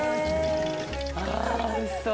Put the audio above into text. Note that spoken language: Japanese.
あおいしそう。